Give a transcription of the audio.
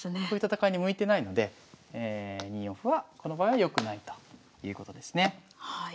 こういう戦いに向いてないので２四歩はこの場合は良くないということですね。